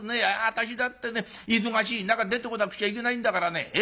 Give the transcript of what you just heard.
私だってね忙しい中出てこなくちゃいけないんだからね。